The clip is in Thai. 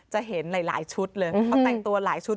จะเห็นหลายชุดเลยเขาแต่งตัวหลายชุด